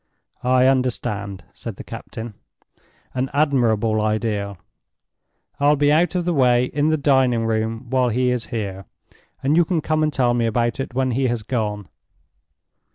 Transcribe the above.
"I understand," said the captain. "An admirable idea. I'll be out of the way in the dining room while he is here, and you can come and tell me about it when he has gone."